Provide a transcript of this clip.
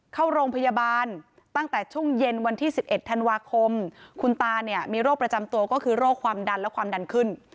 เข้าโรงพยาบาลตั้งแต่ช่วงเย็นวันที่๑๑ธันวาคมคุณตาเนี่ยมีโรคประจำตัวก็คือโรคความดันและความดันขึ้น